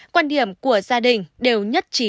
quan điểm của gia đình đều nhất trí